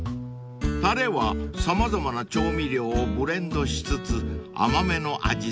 ［たれは様々な調味料をブレンドしつつ甘めの味付け］